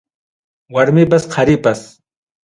Warmipas qaripas.